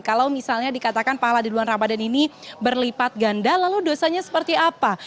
kalau misalnya dikatakan pahala di bulan ramadan ini berlipat ganda lalu dosanya seperti apa